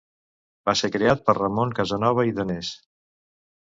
Va ser creat per Ramon Casanova i Danés.